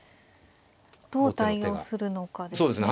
どう対応するのかですね。